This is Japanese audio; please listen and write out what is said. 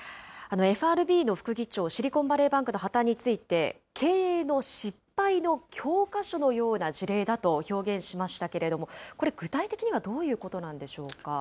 ＦＲＢの副議長、シリコンバレーバンクの破綻について、経営の失敗の教科書のような事例だと表現しましたけれども、これ、具体的にはどういうことなんでしょうか。